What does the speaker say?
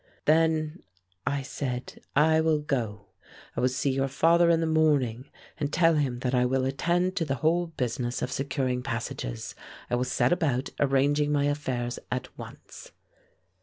"Then," I said, "I will go. I will see your father in the morning and tell him that I will attend to the whole business of securing passages. I will set about arranging my affairs at once."